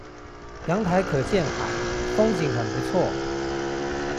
陽台可見海，風景很不錯